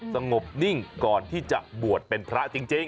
สงบนิ่งก่อนที่จะบวชเป็นพระจริง